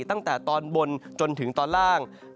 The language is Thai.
ตั้งแต่ตอนบนจนถึงตอนล่าง